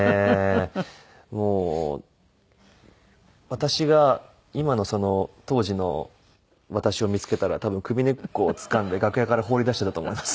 私が今の当時の私を見つけたら多分首根っこをつかんで楽屋から放り出していたと思います。